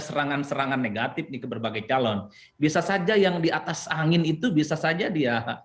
serangan serangan negatif nih ke berbagai calon bisa saja yang di atas angin itu bisa saja dia